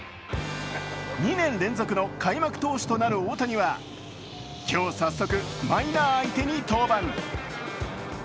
２年連続の開幕投手となる大谷は今日、早速マイナー相手に登板。